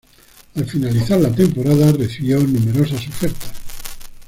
Al finalizar la temporada recibió numerosas ofertas.